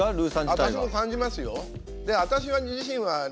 私も感じますよ。